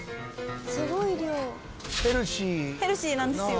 すごい量」「ヘルシー」「ヘルシーなんですよ」